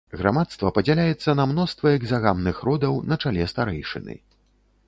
Грамадства падзяляецца на мноства экзагамных родаў на чале старэйшыны.